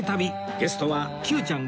ゲストは Ｑ ちゃん